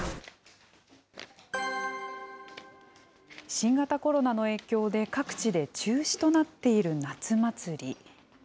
新型コロナの影響で、各地で中止となっている夏祭り。